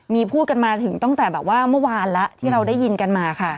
มีพูดกันมาถึงตั้งแต่แบบว่าเมื่อวานแล้วที่เราได้ยินกันมาค่ะ